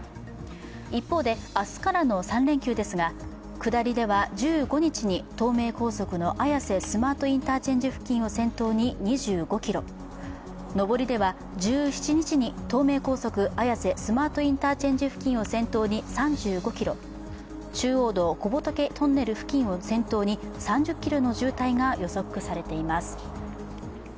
一方で、明日からの３連休ですが、下りでは１５火に東名高速の綾瀬スマートインターチェンジ付近を先頭に２５ｋｍ、上りでは、１７日に東名高速綾瀬スマートインターチェンジ付近を先頭に３５ｋｍ中央道小仏トンネル付近を先頭に３０ｋｍの渋滞が予測されています。